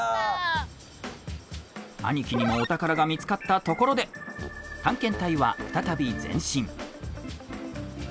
兄貴にもお宝が見つかったところで探検隊は再び前進。